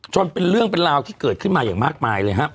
เป็นเรื่องเป็นราวที่เกิดขึ้นมาอย่างมากมายเลยฮะ